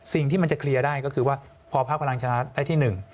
สิ่งที่มันจะเคลียร์ได้ก็คือว่าพอภาคพลังชนะได้ที่หนึ่ง